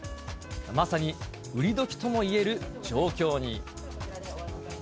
まさに売り時ともいえる状況に。